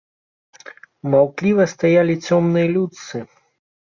Маўкліва стаялі цёмныя людцы.